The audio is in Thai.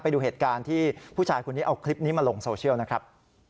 ไปดูเหตุการณ์ที่ผู้ชายคนนี้เอาคลิปนี้มาลงโซเชียลนะครับ